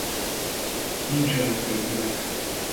Nincsenek fegyverek.